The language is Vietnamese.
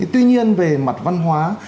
tuy nhiên về mặt văn hóa